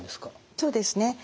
そうですね。